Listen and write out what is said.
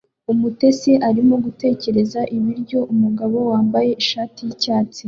Umutetsi arimo gutekera ibiryo umugabo wambaye ishati yicyatsi